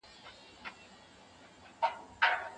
دا واضح آيت دی، چي د نکاح په حقوقو کي خاوند تر ميرمني افضليت لري